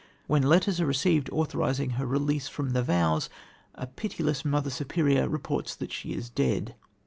When letters are received authorising her release from the vows, a pitiless mother superior reports that she is dead.